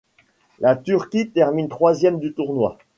La Turquie termine troisième du tournoi.